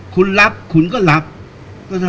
การสำรรค์ของเจ้าชอบใช่